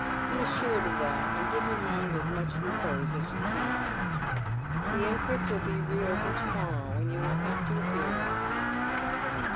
Be assured of that, and give your mind as much repose as you can. The inquest will be re opened to morrow, and you will have to appear."